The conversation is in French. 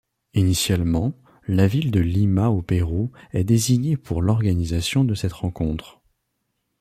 Initialement, la ville de Lima au Pérou est désignée pour l'organisation de cette rencontre.